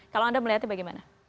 kalau anda melihatnya bagaimana